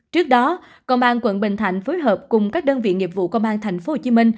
trước đó công an quận bình thạnh phối hợp cùng các đơn vị nghiệp vụ công an tp hcm